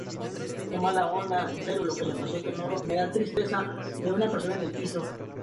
Fue el Embajador de Estados Unidos en Islandia.